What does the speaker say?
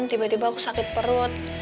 tiba tiba aku sakit perut